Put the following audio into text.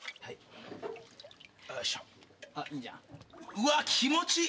うわっ気持ちいい！